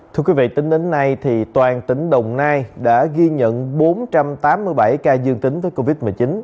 thưa quý vị tính đến nay toàn tỉnh đồng nai đã ghi nhận bốn trăm tám mươi bảy ca dương tính với covid một mươi chín